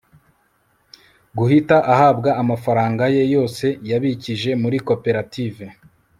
guhita ahabwa amafaranga ye yose yabikije muri koperative